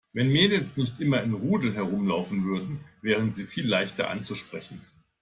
Wenn Mädels nicht immer im Rudel rumlaufen würden, wären sie viel leichter anzusprechen.